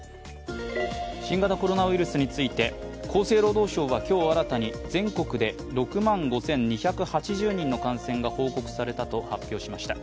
新型コロナウイルスについて、厚生労働省は今日新たに、全国で６万５２８０人の感染が報告されたと発表しました。